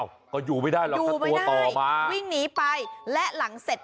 อ้าวก็อยู่ไม่ได้หรอกเหมือนตัวต่อมา